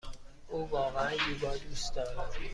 او واقعا یوگا دوست دارد.